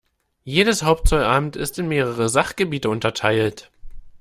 Jedes Hauptzollamt ist in mehrere Sachgebiete unterteilt.